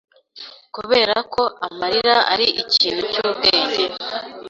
Kuberako amarira ari ikintu cyubwenge